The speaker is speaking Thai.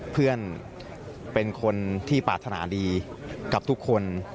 เพื่อนเป็นคนที่ปรารถนาดีกับทุกคน